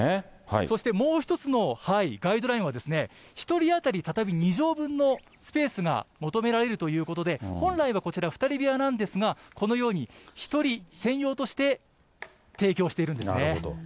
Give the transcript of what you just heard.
そしてもう１つのガイドラインは、１人当たり畳２畳分のスペースが求められるということで、本来はこちら、２人部屋なんですが、このように、１人専用として提供しているんですね。